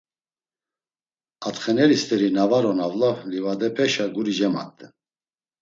Atxeneri st̆eri na var on avla livadepeşa guri cemat̆en!